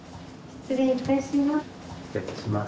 失礼いたします。